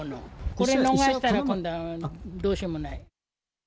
これ逃したら、今度どうしようもない。